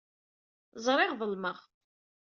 Ẓriɣ ḍelmeɣ.